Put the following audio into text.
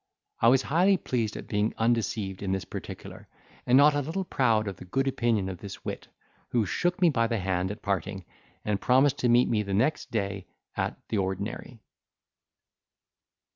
I was highly pleased at being undeceived in this particular, and not a little proud of the good opinion of this wit, who shook me by the hand at parting, and promised to meet me the next day at the ordinary.